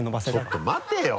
ちょっと待てよ！